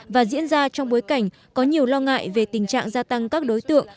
và diễn ra trong bối cảnh có nhiều lo ngại về tình trạng gia tăng các đối tượng